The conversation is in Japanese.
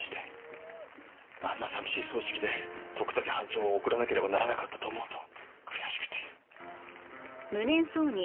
あんな寂しい葬式で徳武班長を送らなければならなかったと思うと悔しくて。